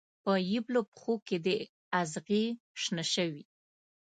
په یبلو پښو کې دې اغزې شنه شوي